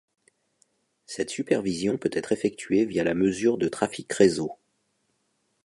Cette supervision peut être effectuée via la mesure de trafic réseau.